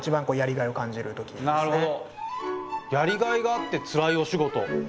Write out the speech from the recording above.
やりがいがあってつらいお仕事。